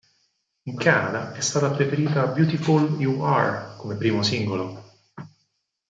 In Canada è stata preferita "Beautiful U R" come primo singolo.